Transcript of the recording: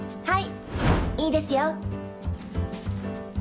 はいいいですよ。